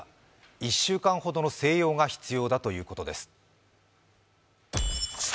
１週間ほどの静養が必要だとのことです。